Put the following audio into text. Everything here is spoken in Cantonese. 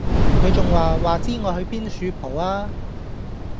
佢仲話:話知我去邊恕蒲吖